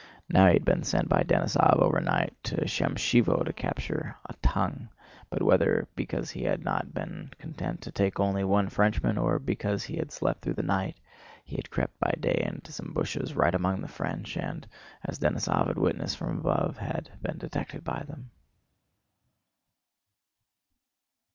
Now he had been sent by Denísov overnight to Shámshevo to capture a "tongue." But whether because he had not been content to take only one Frenchman or because he had slept through the night, he had crept by day into some bushes right among the French and, as Denísov had witnessed from above, had been detected by them.